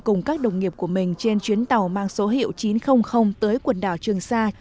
cùng các đồng nghiệp của mình trên chuyến tàu mang số hiệu chín trăm linh tới quần đảo trường sa